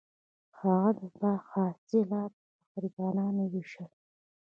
هغه د باغ حاصلات په غریبانو ویشل.